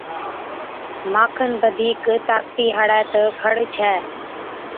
مان کن بڌِيڪ طاقتِي هاڙَي تہ کَڙ ڇَي،